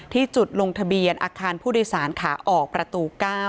ที่จุดลงทะเบียนอาคารผู้โดยสารขาออกประตู๙